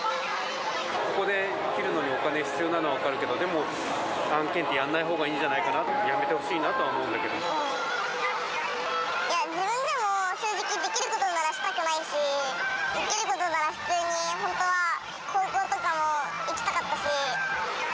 ここで生きるのにお金必要なのは分かるけど、でも案件ってやらないほうがいいんじゃないかな、やめてほしいないや、自分でも正直できることならしたくないし、できることなら普通に、本当は高校とかも行きたかったし。